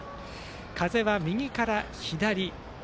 風は右から左。